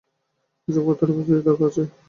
ওসব করতে হলে প্রস্তুতির দরকার আছে।